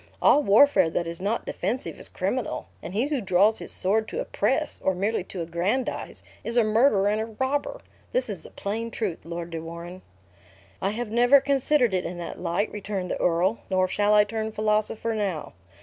All warfare that is not defensive is criminal; and he who draws his sword to oppress, or merely to aggrandize, is a murderer and a robber. This is the plain truth, Lord de Warenne." "I have never considered it in that light," returned the earl, "nor shall I turn philosopher now.